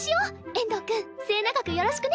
遠藤くん末永くよろしくね。